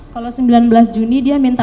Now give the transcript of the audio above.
kalau sembilan belas juni dia minta